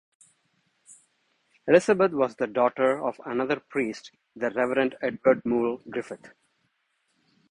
Elizabeth was the daughter of another priest, the Reverend Edward Moule Griffith.